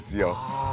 ああ。